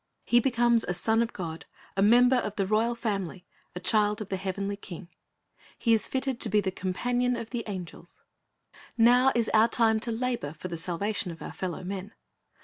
He becomes a son of God, a member of the royal family, a child of the heavenly King. He is fitted to be the companion of the angels. Talents 343 Now is our time to labor for the salvation of our fellow men.